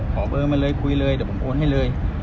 ขอเบอร์มาเลยคุยเลยเดี๋ยวผมโอนให้เลย